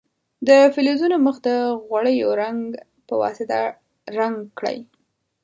د فلزونو مخ د غوړیو رنګ په واسطه رنګ کړئ.